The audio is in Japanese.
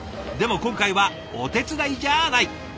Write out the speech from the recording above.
でも今回はお手伝いじゃない！